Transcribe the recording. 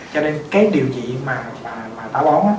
cho nên cái điều trị mà tả bón á